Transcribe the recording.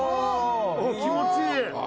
「気持ちいい！」